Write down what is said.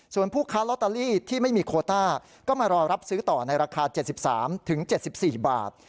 ส่วนผู้ค้าร็อตเตอรี่ที่ไม่มีโคต้าก็มารอรับซื้อต่อในราคาเจ็ดสิบสามถึงเจ็ดสิบสี่บาท